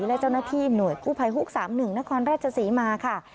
และเจ้าหน้าที่หน่วยกู้ภัยฮุก๓๑นครราชศรีมาค่ะ